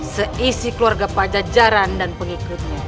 seisi keluarga pajajaran dan pengikutnya